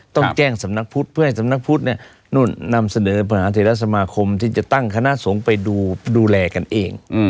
ต้องแจ้งสำนักพุทธเพื่อให้สำนักพุทธเนี่ยนู่นนำเสนอมหาเทรสมาคมที่จะตั้งคณะสงฆ์ไปดูแลกันเอง